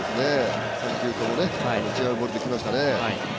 ３球とも違うボールできましたね。